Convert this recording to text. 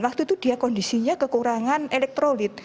waktu itu dia kondisinya kekurangan elektrolit